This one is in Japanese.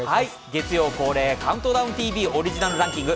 月曜恒例「ＣＤＴＶ」オリジナルランキング